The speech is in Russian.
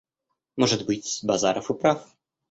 Может быть, Базаров и прав.